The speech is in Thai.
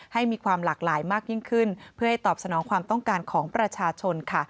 ให้มีความหลากหลายมากยิ่งขึ้นเพื่อให้ตอบสนองความต้องการของประชาชนค่ะ